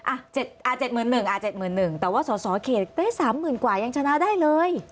อ่า๗๑๐๐๐อ่า๗๑๐๐๐แต่ว่าสอเครตได้๓๐๐๐๐กว่ายังชนะได้เลย